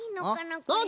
これ。